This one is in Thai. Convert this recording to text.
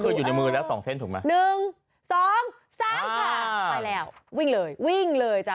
คืออยู่ในมือแล้วสองเส้นถูกไหม๑๒ซ้ายค่ะไปแล้ววิ่งเลยวิ่งเลยจ้ะ